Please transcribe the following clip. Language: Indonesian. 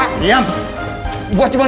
tidak ada yang bisa dianggap terlibat